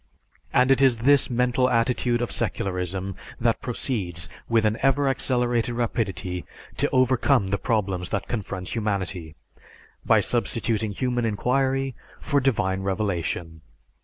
And it is this mental attitude of secularism that proceeds with an ever accelerated rapidity to overcome the problems that confront humanity by substituting human inquiry for divine revelation.